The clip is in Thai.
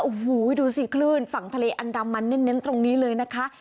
โอ้โหดูสิคลื่นฝั่งทะเลอันดามันเน้นตรงนี้เลยนะคะ